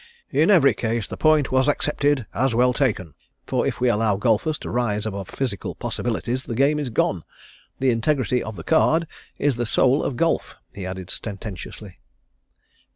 In every case the point was accepted as well taken, for if we allow golfers to rise above physical possibilities the game is gone. The integrity of the Card is the soul of Golf," he added sententiously.